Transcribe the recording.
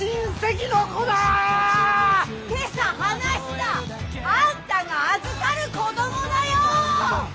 今朝話したあんたが預かる子どもだよ！